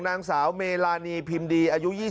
นางสาวเมรานีพิมร์ดี่